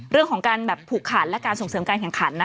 เรื่องของการผูกขันและการส่งเสริมการแข่งขัน